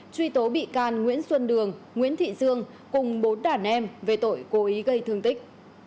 truy tố bị can nguyễn xuân đường nguyễn thị dương cùng bốn đàn em về tội cố ý gây thương tích